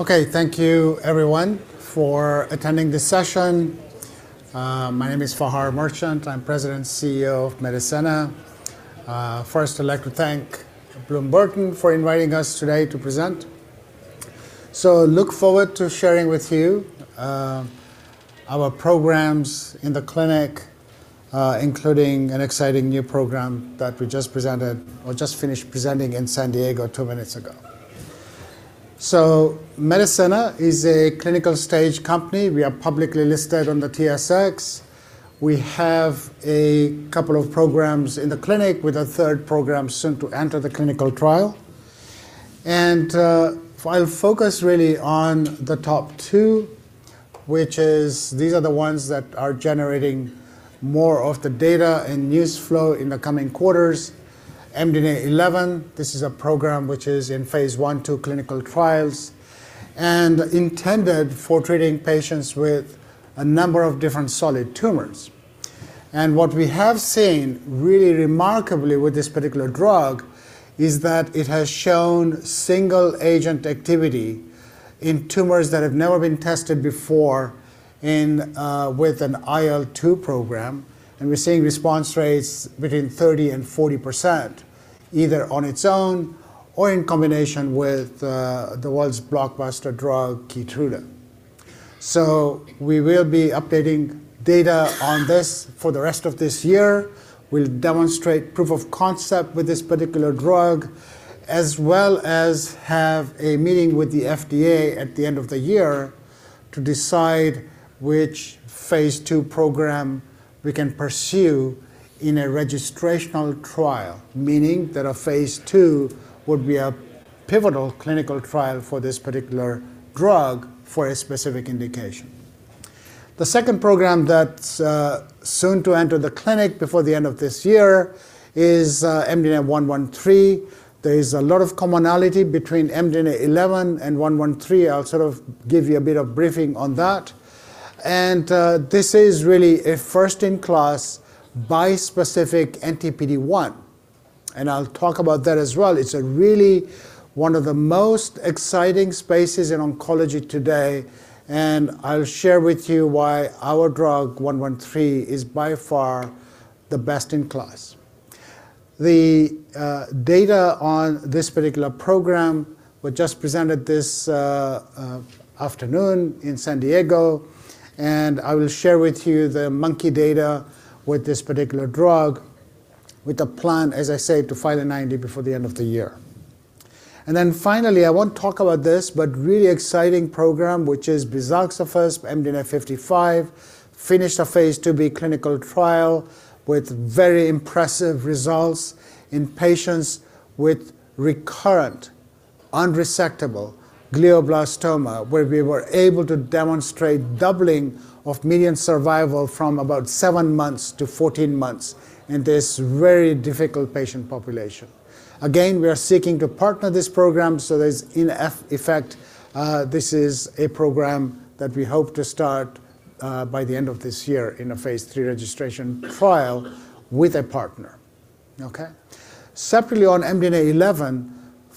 Okay. Thank you everyone for attending this session. My name is Fahar Merchant. I'm President and CEO of Medicenna. First, I'd like to thank Bloom Burton for inviting us today to present. I look forward to sharing with you our programs in the clinic, including an exciting new program that we just presented, or just finished presenting in San Diego two minutes ago. Medicenna is a clinical-stage company. We are publicly listed on the TSX. We have a couple of programs in the clinic with a third program soon to enter the clinical trial. I'll focus really on the top two, which is these are the ones that are generating more of the data and news flow in the coming quarters. MDNA11, this is a program which is in phase I/II clinical trials and intended for treating patients with a number of different solid tumors. What we have seen really remarkably with this particular drug is that it has shown single agent activity in tumors that have never been tested before with an IL-2 program. We're seeing response rates between 30%-40%, either on its own or in combination with the world's blockbuster drug, KEYTRUDA. We will be updating data on this for the rest of this year. We'll demonstrate proof of concept with this particular drug, as well as have a meeting with the FDA at the end of the year to decide which phase II program we can pursue in a registrational trial, meaning that a phase II would be a pivotal clinical trial for this particular drug for a specific indication. The second program that's soon to enter the clinic before the end of this year is MDNA113. There is a lot of commonality between MDNA11 and 113. I'll give you a bit of briefing on that, and this is really a first-in-class bispecific anti-PD-1, and I'll talk about that as well. It's really one of the most exciting spaces in oncology today, and I'll share with you why our drug 113 is by far the best-in-class. The data on this particular program were just presented this afternoon in San Diego, and I will share with you the monkey data with this particular drug, with a plan, as I say, to file an IND before the end of the year. Finally, I won't talk about this, but really exciting program, which is bizaxofusp (MDNA55), finished a phase II-B clinical trial with very impressive results in patients with recurrent unresectable glioblastoma, where we were able to demonstrate doubling of median survival from about seven months to 14 months in this very difficult patient population. Again, we are seeking to partner this program, so there's in effect this is a program that we hope to start by the end of this year in a phase III registration trial with a partner. Okay. Separately on MDNA11,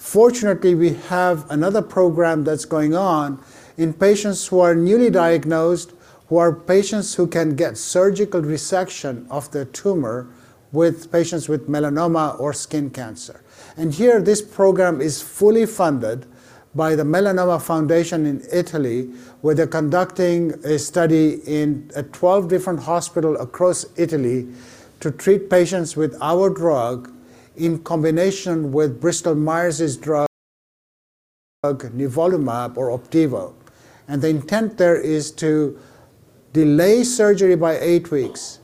fortunately, we have another program that's going on in patients who are newly diagnosed, who are patients who can get surgical resection of their tumor with patients with melanoma or skin cancer. Here, this program is fully funded by the Melanoma Foundation in Italy, where they're conducting a study in 12 different hospitals across Italy to treat patients with our drug in combination with Bristol Myers Squibb's drug nivolumab or OPDIVO. The intent there is to delay surgery by eight weeks,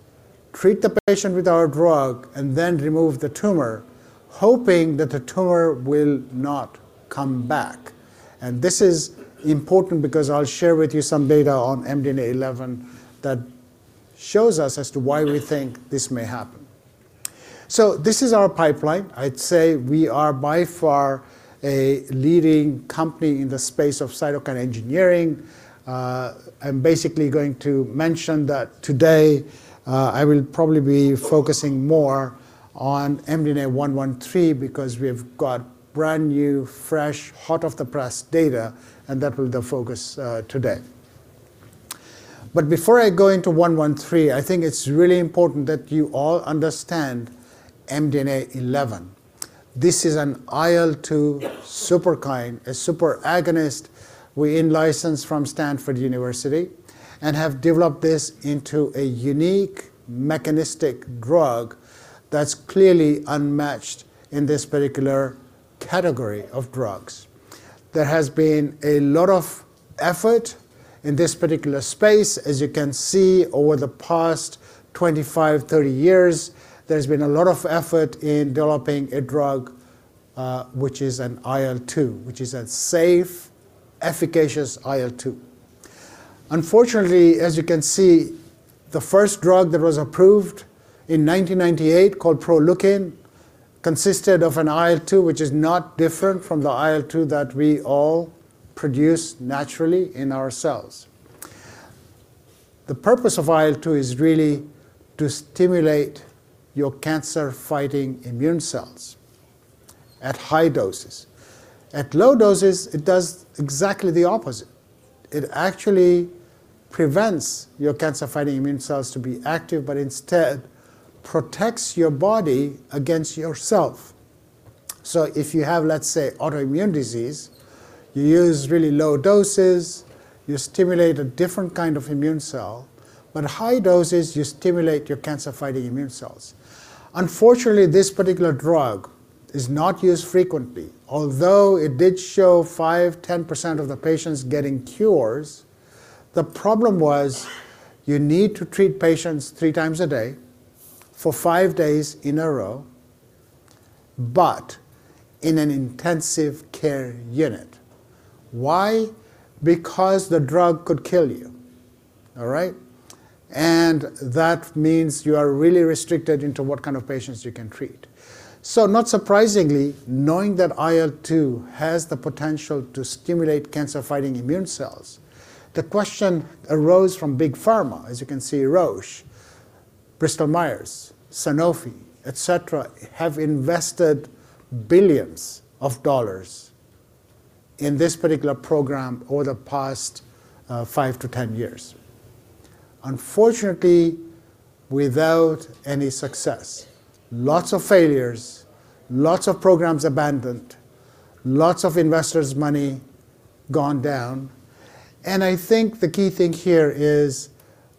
treat the patient with our drug, and then remove the tumor, hoping that the tumor will not come back. This is important because I'll share with you some data on MDNA11 that shows us as to why we think this may happen. This is our pipeline. I'd say we are by far a leading company in the space of cytokine engineering. I'm basically going to mention that today I will probably be focusing more on MDNA113 because we've got brand new, fresh, hot off the press data, and that will be the focus today. Before I go into MDNA113, I think it's really important that you all understand MDNA11. This is an IL-2 superagonist we in-licensed from Stanford University and have developed this into a unique mechanistic drug that's clearly unmatched in this particular category of drugs. There has been a lot of effort in this particular space. As you can see, over the past 25, 30 years, there's been a lot of effort in developing a drug, which is an IL-2, which is a safe, efficacious IL-2. Unfortunately, as you can see, the first drug that was approved in 1998, called Proleukin, consisted of an IL-2, which is not different from the IL-2 that we all produce naturally in our cells. The purpose of IL-2 is really to stimulate your cancer-fighting immune cells at high doses. At low doses, it does exactly the opposite. It actually prevents your cancer-fighting immune cells to be active, but instead protects your body against yourself. If you have, let's say, autoimmune disease, you use really low doses, you stimulate a different kind of immune cell, but high doses, you stimulate your cancer-fighting immune cells. Unfortunately, this particular drug is not used frequently, although it did show 5%, 10% of the patients getting cures. The problem was you need to treat patients 3x a day for five days in a row, but in an intensive care unit. Why? Because the drug could kill you. All right? That means you are really restricted into what kind of patients you can treat. Not surprisingly, knowing that IL-2 has the potential to stimulate cancer-fighting immune cells, the question arose from Big Pharma. As you can see, Roche, Bristol Myers, Sanofi, et cetera, have invested billions of dollars in this particular program over the past five to 10 years. Unfortunately, without any success. Lots of failures. Lots of programs abandoned. Lots of investors' money gone down. I think the key thing here is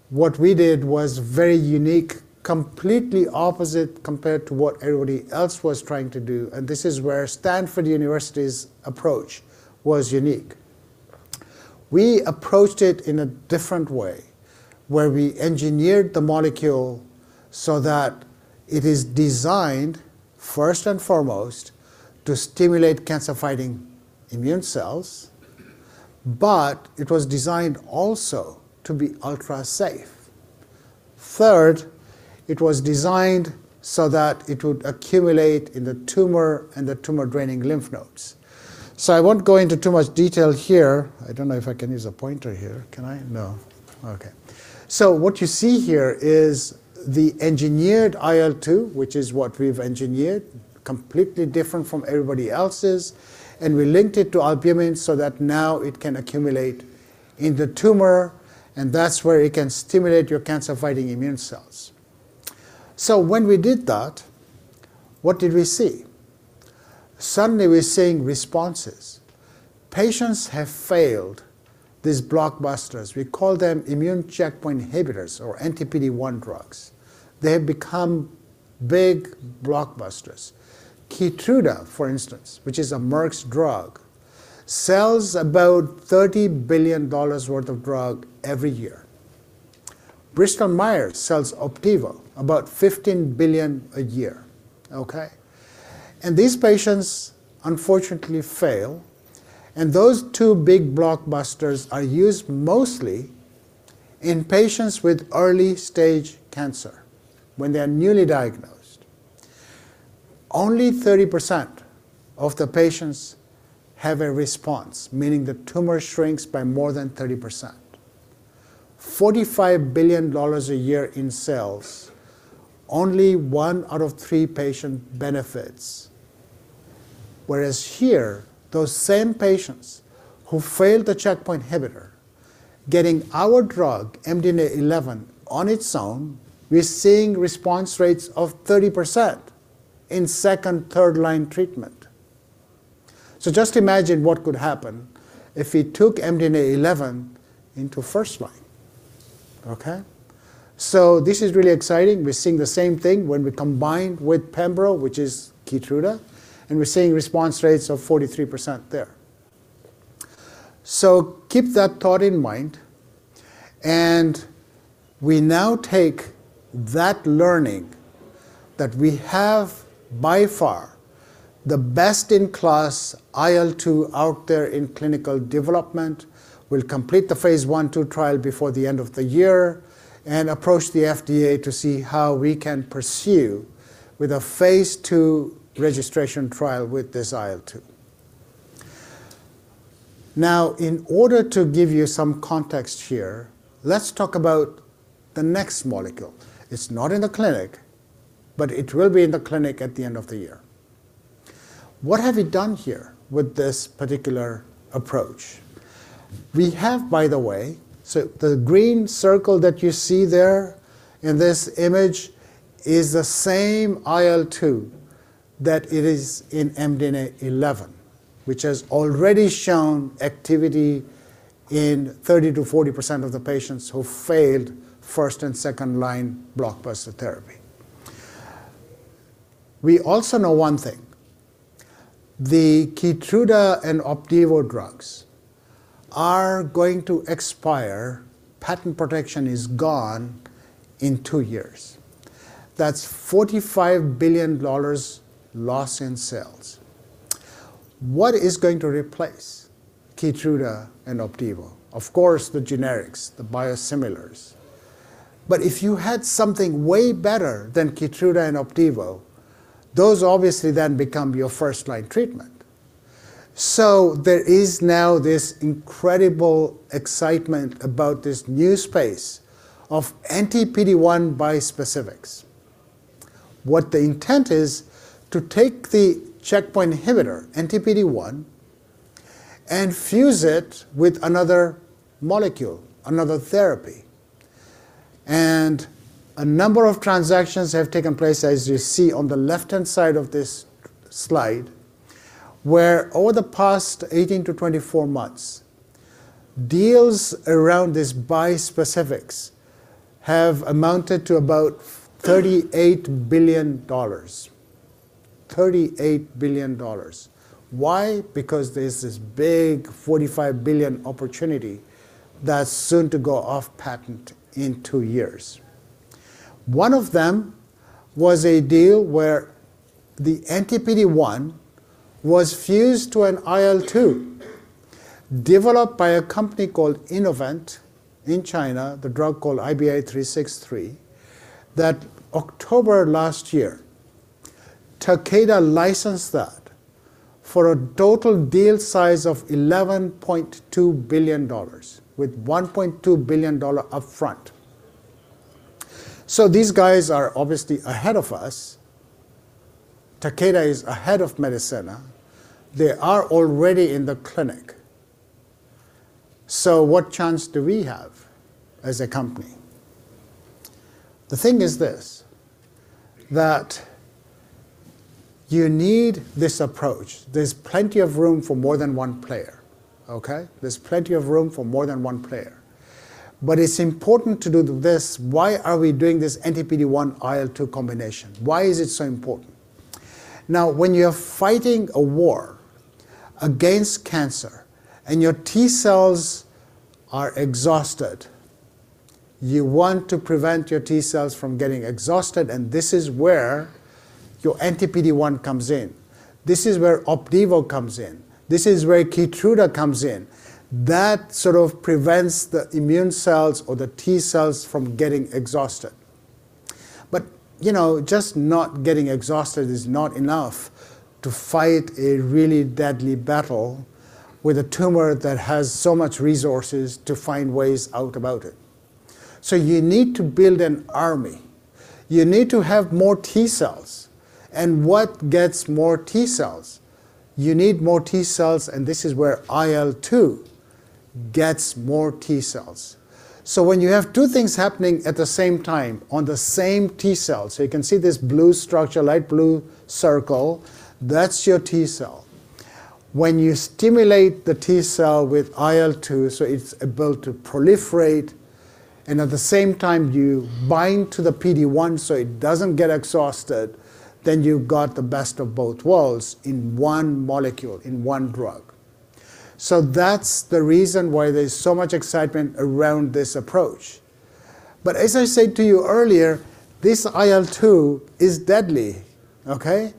what we did was very unique, completely opposite compared to what everybody else was trying to do, and this is where Stanford University's approach was unique. We approached it in a different way, where we engineered the molecule so that it is designed first and foremost to stimulate cancer-fighting immune cells. It was designed also to be ultra safe. Third, it was designed so that it would accumulate in the tumor and the tumor-draining lymph nodes. I won't go into too much detail here. I don't know if I can use a pointer here. Can I? No. Okay. What you see here is the engineered IL-2, which is what we've engineered, completely different from everybody else's. We linked it to albumin so that now it can accumulate in the tumor, and that's where it can stimulate your cancer-fighting immune cells. When we did that, what did we see? Suddenly, we're seeing responses. Patients have failed these blockbusters. We call them immune checkpoint inhibitors or anti-PD-1 drugs. They have become big blockbusters. KEYTRUDA, for instance, which is a Merck's drug, sells about $30 billion worth of drug every year. Bristol Myers sells OPDIVO, about $15 billion a year. Okay? These patients, unfortunately, fail. Those two big blockbusters are used mostly in patients with early stage cancer when they're newly diagnosed. Only 30% of the patients have a response, meaning the tumor shrinks by more than 30%. $45 billion a year in sales, only one out of three patients benefit. Whereas here, those same patients who failed the checkpoint inhibitor, getting our drug, MDNA11, on its own, we're seeing response rates of 30% in second- and third-line treatment. Just imagine what could happen if we took MDNA11 into first-line. Okay. This is really exciting. We're seeing the same thing when we combine with pembro, which is KEYTRUDA, and we're seeing response rates of 43% there. Keep that thought in mind, and we now take that learning that we have by far the best-in-class IL-2 out there in clinical development. We'll complete the phase I/II trial before the end of the year and approach the FDA to see how we can pursue with a phase II registration trial with this IL-2. Now, in order to give you some context here, let's talk about the next molecule. It's not in the clinic, but it will be in the clinic at the end of the year. What have we done here with this particular approach? We have, by the way, so the green circle that you see there in this image is the same IL-2 that it is in MDNA11, which has already shown activity in 30%-40% of the patients who failed first and second-line blockbuster therapy. We also know one thing. The KEYTRUDA and OPDIVO drugs are going to expire, patent protection is gone, in two years. That's $45 billion loss in sales. What is going to replace KEYTRUDA and OPDIVO? Of course, the generics, the biosimilars. If you had something way better than KEYTRUDA and OPDIVO, those obviously then become your first-line treatment. There is now this incredible excitement about this new space of anti-PD-1 bispecifics. What the intent is to take the checkpoint inhibitor, anti-PD-1, and fuse it with another molecule, another therapy. A number of transactions have taken place, as you see on the left-hand side of this slide, where over the past 18-24 months, deals around these bispecifics have amounted to about $38 billion. $38 billion. Why? Because there's this big $45 billion opportunity that's soon to go off patent in two years. One of them was a deal where the anti-PD-1 was fused to an IL-2, developed by a company called Innovent in China, the drug called IBI363. That October last year, Takeda licensed that for a total deal size of $11.2 billion, with $1.2 billion up front. These guys are obviously ahead of us. Takeda is ahead of Medicenna. They are already in the clinic. What chance do we have as a company? The thing is this, that you need this approach. There's plenty of room for more than one player. Okay? There's plenty of room for more than one player. It's important to do this. Why are we doing this anti-PD-1 IL-2 combination? Why is it so important? Now, when you're fighting a war against cancer and your T cells are exhausted, you want to prevent your T cells from getting exhausted, and this is where your anti-PD-1 comes in. This is where OPDIVO comes in. This is where KEYTRUDA comes in. That sort of prevents the immune cells or the T cells from getting exhausted. Just not getting exhausted is not enough to fight a really deadly battle with a tumor that has so much resources to find ways out about it. You need to build an army. You need to have more T cells. What gets more T cells? You need more T cells, and this is where IL-2 gets more T cells. When you have two things happening at the same time on the same T cell, so you can see this blue structure, light blue circle, that's your T cell. When you stimulate the T cell with IL-2, so it's about to proliferate, and at the same time, you bind to the PD-1 so it doesn't get exhausted, then you've got the best of both worlds in one molecule, in one drug. That's the reason why there's so much excitement around this approach. As I said to you earlier, this IL-2 is deadly. Okay?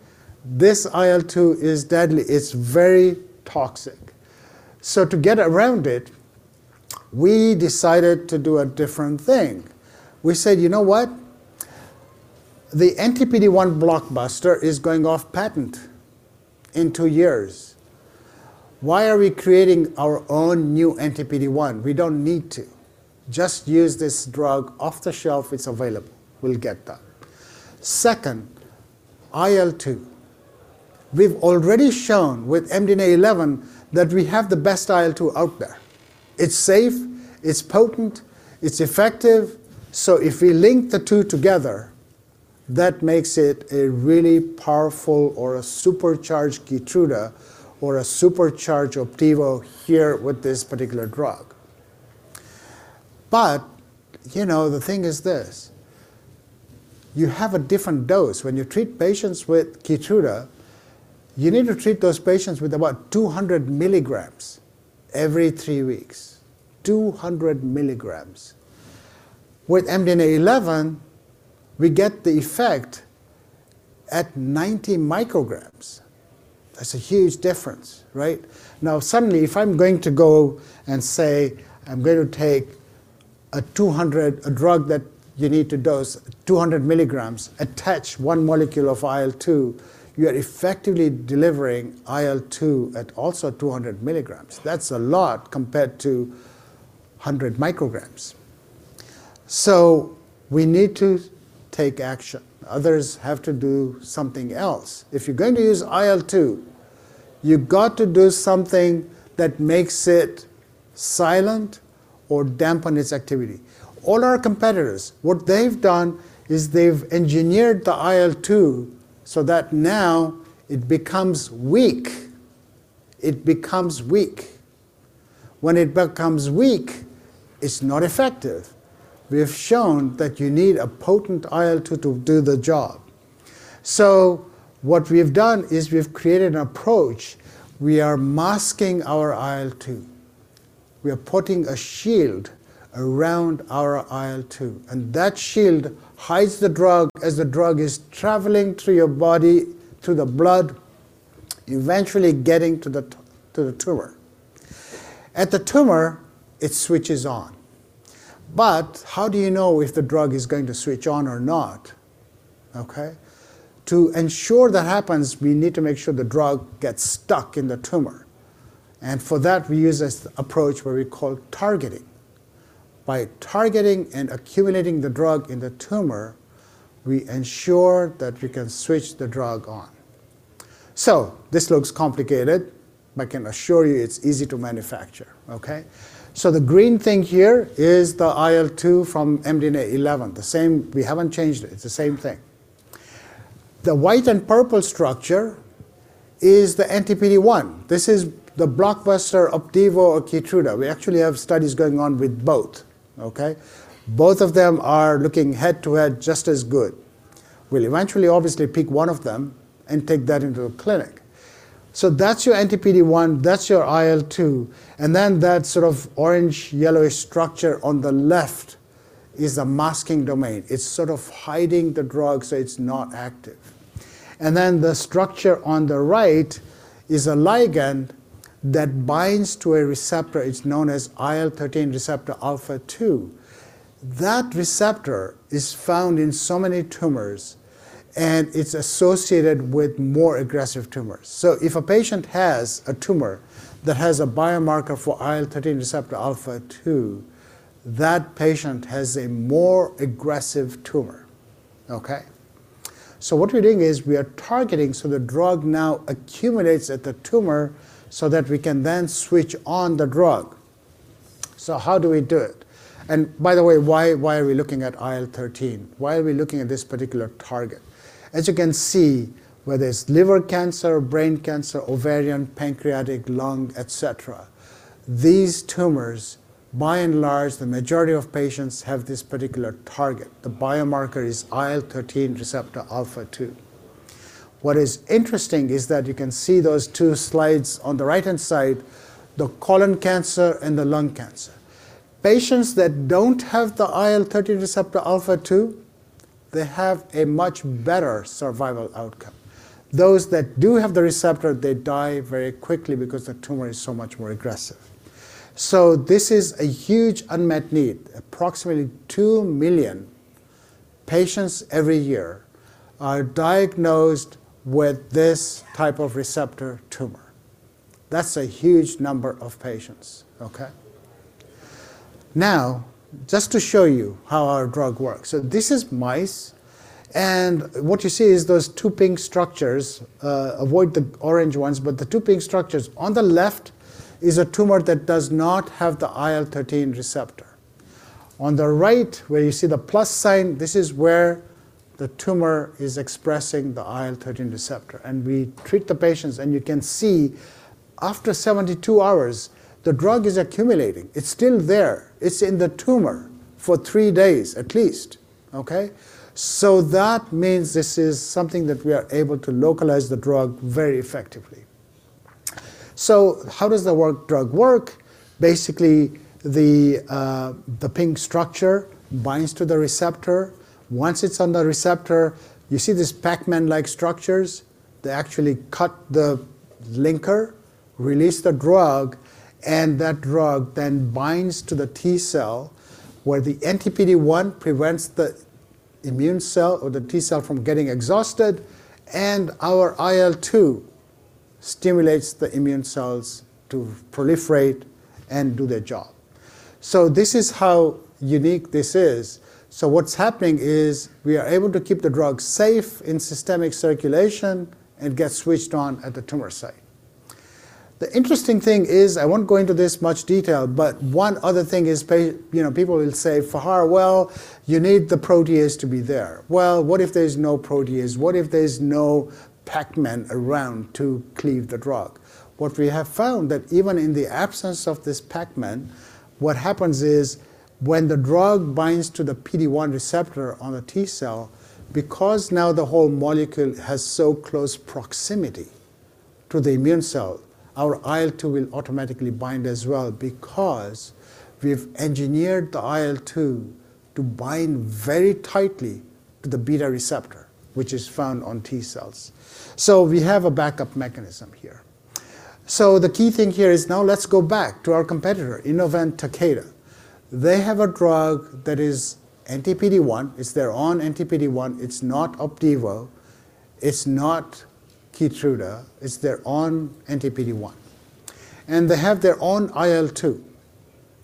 This IL-2 is deadly. It's very toxic. To get around it, we decided to do a different thing. We said, "You know what? The anti-PD-1 blockbuster is going off patent in two years. Why are we creating our own new anti-PD-1? We don't need to. Just use this drug off the shelf. It's available. We'll get that." Second, IL-2. We've already shown with MDNA11 that we have the best IL-2 out there. It's safe, it's potent, it's effective, so if we link the two together, that makes it a really powerful or a supercharged KEYTRUDA or a supercharged OPDIVO here with this particular drug. The thing is this, you have a different dose. When you treat patients with KEYTRUDA, you need to treat those patients with about 200 mg every three weeks. 200 mg. With MDNA11, we get the effect at 90 μg. That's a huge difference, right? Now, suddenly, if I'm going to go and say, I'm going to take a drug that you need to dose 200 mg, attach 1 molecule of IL-2, you are effectively delivering IL-2 at also 200 mg. That's a lot compared to 100 μg. We need to take action. Others have to do something else. If you're going to use IL-2, you've got to do something that makes it silent or dampen its activity. All our competitors, what they've done is they've engineered the IL-2 so that now it becomes weak. It becomes weak. When it becomes weak, it's not effective. We have shown that you need a potent IL-2 to do the job. What we've done is we've created an approach. We are masking our IL-2. We are putting a shield around our IL-2, and that shield hides the drug as the drug is traveling through your body, through the blood, eventually getting to the tumor. At the tumor, it switches on. But how do you know if the drug is going to switch on or not? Okay. To ensure that happens, we need to make sure the drug gets stuck in the tumor. For that, we use this approach where we call targeting. By targeting and accumulating the drug in the tumor, we ensure that we can switch the drug on. This looks complicated. I can assure you it's easy to manufacture. Okay, the green thing here is the IL-2 from MDNA11. We haven't changed it. It's the same thing. The white and purple structure is the anti-PD-1. This is the blockbuster OPDIVO or KEYTRUDA. We actually have studies going on with both. Okay. Both of them are looking head-to-head just as good. We'll eventually obviously pick one of them and take that into a clinic. That's your anti-PD-1, that's your IL-2, and then that sort of orange, yellowish structure on the left is a masking domain. It's sort of hiding the drug, so it's not active. Then the structure on the right is a ligand that binds to a receptor. It's known as IL-13Rα2. That receptor is found in so many tumors, and it's associated with more aggressive tumors. If a patient has a tumor that has a biomarker for IL-13Rα2, that patient has a more aggressive tumor. Okay, what we're doing is we are targeting, so the drug now accumulates at the tumor so that we can then switch on the drug. How do we do it? By the way, why are we looking at IL-13? Why are we looking at this particular target? As you can see, whether it's liver cancer, brain cancer, ovarian, pancreatic, lung, et cetera, these tumors, by and large, the majority of patients have this particular target. The biomarker is IL-13Rα2. What is interesting is that you can see those two slides on the right-hand side, the colon cancer, and the lung cancer. Patients that don't have the IL-13Rα2, they have a much better survival outcome. Those that do have the receptor, they die very quickly because the tumor is so much more aggressive. This is a huge unmet need. Approximately 2 million patients every year are diagnosed with this type of receptor tumor. That's a huge number of patients, okay? Now, just to show you how our drug works. This is mice, and what you see is those two pink structures. Avoid the orange ones. The two pink structures on the left is a tumor that does not have the IL-13 receptor. On the right where you see the plus sign, this is where the tumor is expressing the IL-13 receptor. We treat the patients. You can see after 72 hours, the drug is accumulating. It's still there. It's in the tumor for three days at least. Okay? That means this is something that we are able to localize the drug very effectively. How does the drug work? Basically, the pink structure binds to the receptor. Once it's on the receptor, you see these Pac-Man-like structures. They actually cut the linker, release the drug, and that drug then binds to the T cell, where the anti-PD-1 prevents the immune cell or the T cell from getting exhausted. Our IL-2 stimulates the immune cells to proliferate and do their job. This is how unique this is. What's happening is we are able to keep the drug safe in systemic circulation and get switched on at the tumor site. The interesting thing is, I won't go into this much detail, but one other thing is, people will say, "Fahar, well, you need the protease to be there." Well, what if there's no protease? What if there's no Pac-Man around to cleave the drug? What we have found that even in the absence of this Pac-Man, what happens is when the drug binds to the PD-1 receptor on a T cell, because now the whole molecule has so close proximity to the immune cell, our IL-2 will automatically bind as well, because we've engineered the IL-2 to bind very tightly to the beta receptor, which is found on T cells. So we have a backup mechanism here. So the key thing here is now let's go back to our competitor, Innovent, Takeda. They have a drug that is anti-PD-1. It's their own anti-PD-1. It's not OPDIVO, it's not KEYTRUDA. It's their own anti-PD-1. They have their own IL-2.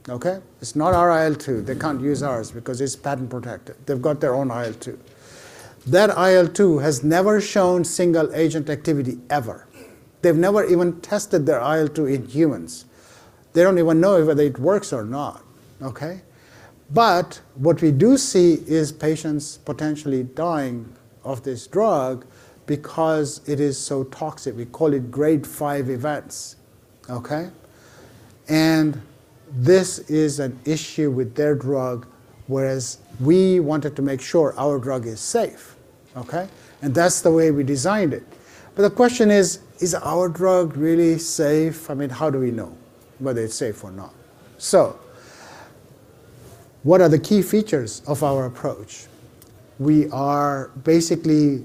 Okay? It's not our IL-2. They can't use ours because it's patent protected. They've got their own IL-2. That IL-2 has never shown single agent activity, ever. They've never even tested their IL-2 in humans. They don't even know whether it works or not. Okay? What we do see is patients potentially dying of this drug because it is so toxic. We call it Grade 5 events. Okay? This is an issue with their drug, whereas we wanted to make sure our drug is safe. Okay? That's the way we designed it. The question is our drug really safe? I mean, how do we know whether it's safe or not? What are the key features of our approach? We are basically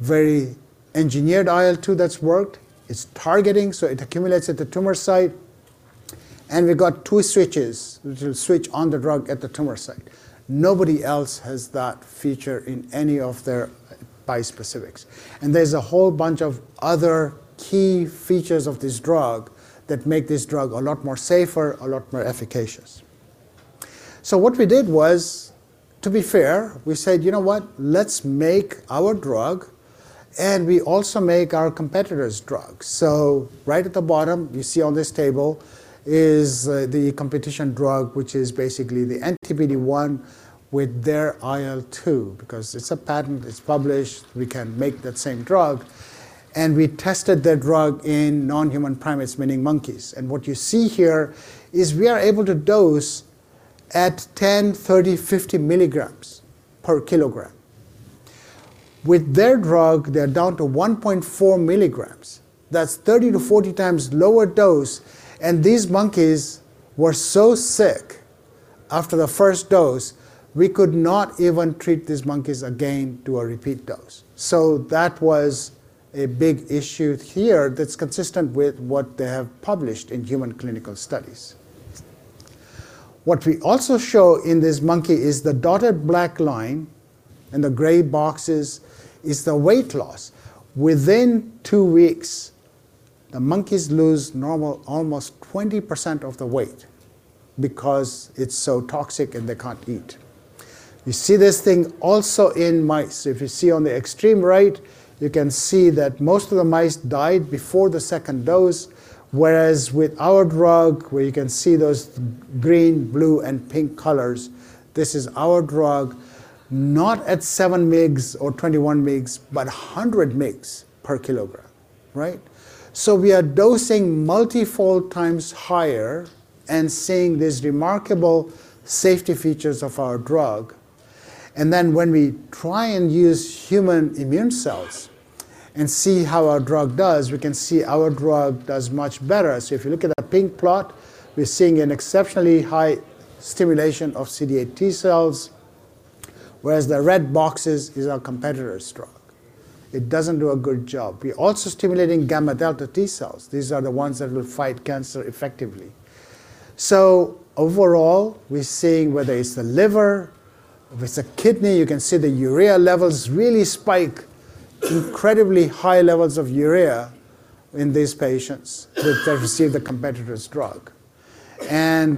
very engineered IL-2 that's worked. It's targeting, so it accumulates at the tumor site, and we've got two switches. Switch on the drug at the tumor site. Nobody else has that feature in any of their bispecifics. There's a whole bunch of other key features of this drug that make this drug a lot more safer, a lot more efficacious. What we did was, to be fair, we said, "You know what? Let's make our drug, and we also make our competitor's drug. " Right at the bottom, you see on this table is the competition drug, which is basically the anti-PD-1 with their IL-2. Because it's a patent, it's published, we can make that same drug. We tested the drug in non-human primates, meaning monkeys. What you see here is we are able to dose at 10, 30, 50 milligrams per kilogram. With their drug, they're down to 1.4 mg. That's 30-40 times lower dose, and these monkeys were so sick after the first dose, we could not even treat these monkeys again to a repeat dose. That was a big issue here that's consistent with what they have published in human clinical studies. What we also show in this monkey is the dotted black line and the gray boxes is the weight loss. Within two weeks, the monkeys lose normal, almost 20% of the weight because it's so toxic and they can't eat. You see this thing also in mice. If you see on the extreme right, you can see that most of the mice died before the second dose, whereas with our drug, where you can see those green, blue, and pink colors, this is our drug, not at 7 mg or 21 mg, but 100 mg per kilogram, right? We are dosing multifold times higher and seeing these remarkable safety features of our drug. Then when we try and use human immune cells and see how our drug does, we can see our drug does much better. If you look at that pink plot, we're seeing an exceptionally high stimulation of CD8+ T cells, whereas the red boxes is our competitor's drug. It doesn't do a good job. We're also stimulating gamma delta T cells. These are the ones that will fight cancer effectively. Overall, we're seeing whether it's the liver, if it's a kidney, you can see the urea levels really spike incredibly high levels of urea in these patients that have received the competitor's drug.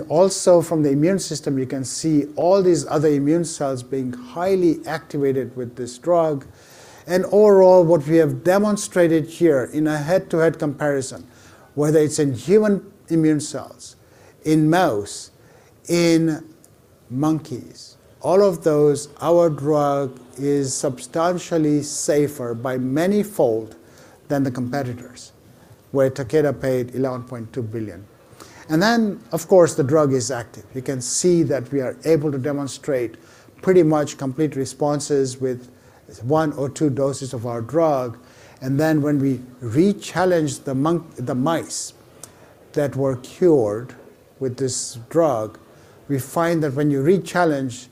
Also from the immune system, you can see all these other immune cells being highly activated with this drug. Overall, what we have demonstrated here in a head-to-head comparison, whether it's in human immune cells, in mouse, in monkeys, all of those, our drug is substantially safer by manifold than the competitors, where Takeda paid $11.2 billion. Then, of course, the drug is active. You can see that we are able to demonstrate pretty much complete responses with one or two doses of our drug. Then when we rechallenge the mice that were cured with this drug, we find that when you rechallenge,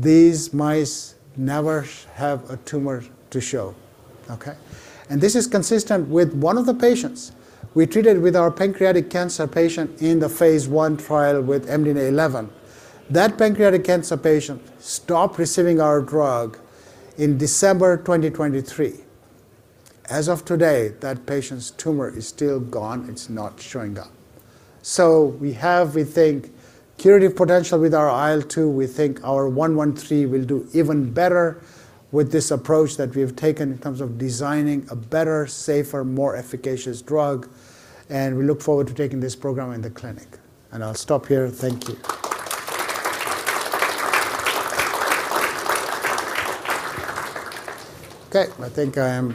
these mice never have a tumor to show. Okay. This is consistent with one of the patients we treated with our pancreatic cancer patient in the phase I trial with MDNA11. That pancreatic cancer patient stopped receiving our drug in December 2023. As of today, that patient's tumor is still gone. It's not showing up. We have, we think, curative potential with our IL-2. We think our 113 will do even better with this approach that we have taken in terms of designing a better, safer, more efficacious drug. We look forward to taking this program in the clinic. I'll stop here. Thank you. Okay. I think I am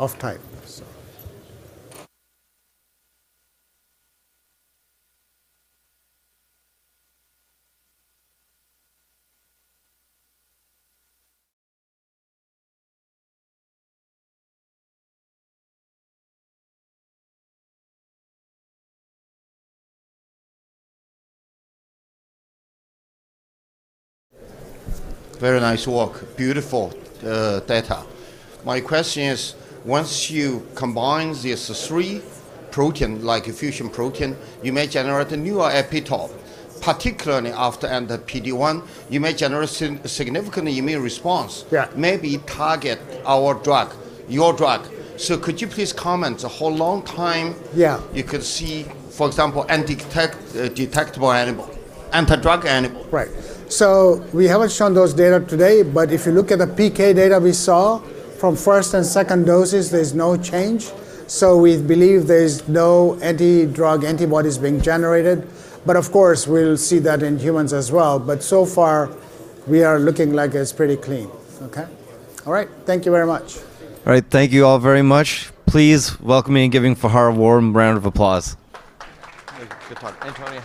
off time. Very nice work. Beautiful data. My question is, once you combine these three protein, like a fusion protein, you may generate a newer epitope, particularly after anti-PD-1, you may generate significant immune response. Yeah. Maybe target our drug, your drug. Could you please comment how long time- Yeah You could see, for example, undetectable antibody, anti-drug antibody? Right. We haven't shown those data today, but if you look at the PK data we saw from first and second doses, there's no change. We believe there's no anti-drug antibodies being generated. Of course, we'll see that in humans as well. So far, we are looking like it's pretty clean. Okay? All right. Thank you very much. All right. Thank you all very much. Please welcome me in giving Fahar a warm round of applause. Good talk. Antonio.